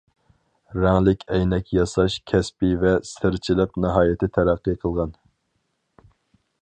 رەڭلىك ئەينەك ياساش كەسپى ۋە سىرچىلىق ناھايىتى تەرەققىي قىلغان.